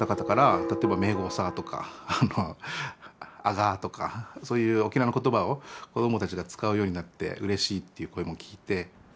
「アガー」とかそういう沖縄の言葉を子どもたちが使うようになってうれしいっていう声も聞いて。